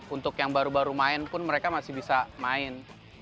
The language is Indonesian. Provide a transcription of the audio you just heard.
untuk yang baru baru main pun mereka masih bisa main